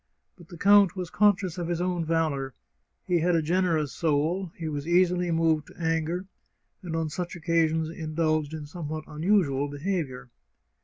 But the count was conscious of his own valour; he had a generous soul, he was easily moved to anger, and on such occasions indulged in somewhat unusual behaviour.